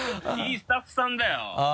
スタッフさんだよ。